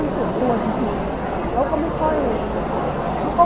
และทุกคนจะมีภาวะสังเกียรติที่แปลกต่างกัน